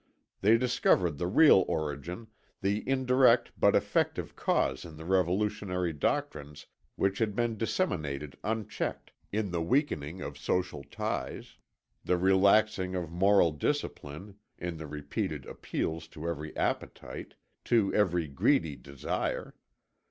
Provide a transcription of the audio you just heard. They discovered the real origin, the indirect but effective cause in the revolutionary doctrines which had been disseminated unchecked, in the weakening of social ties, the relaxing of moral discipline, in the repeated appeals to every appetite, to every greedy desire.